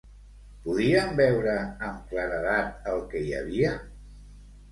Podien veure amb claredat el que hi havia?